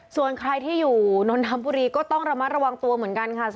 ส่วนใครที่อยู่นนทบุรีก็ต้องระมัดระวังตัวเหมือนกันค่ะ